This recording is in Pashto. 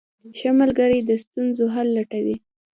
ښه ملګری د ستونزو حل لټوي.